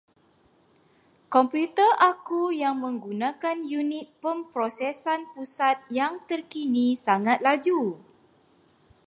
Komputer aku yang menggunakan unit pemprosesan pusat yang terkini sangat laju.